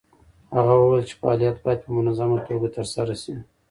هغه وویل چې فعالیت باید په منظمه توګه ترسره شي.